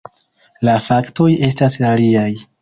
La faktoj estas aliaj.